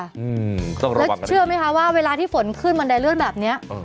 ต้องระวังกันดีแล้วเชื่อไหมคะว่าเวลาที่ฝนขึ้นบันไดเลือดแบบนี้